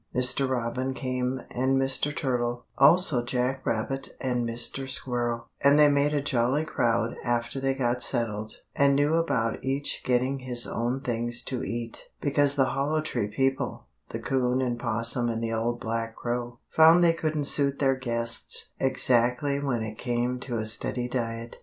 Mr. Robin came, and Mr. Turtle, also Jack Rabbit and Mr. Squirrel, and they made a jolly crowd after they got settled and knew about each getting his own things to eat, because the Hollow Tree people the 'Coon and 'Possum and the old black Crow found they couldn't suit their guests exactly when it came to a steady diet.